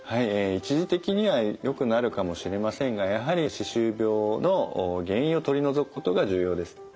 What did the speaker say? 一時的にはよくなるかもしれませんがやはり歯周病の原因を取り除くことが重要です。